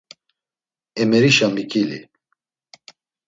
Emerişa miǩili.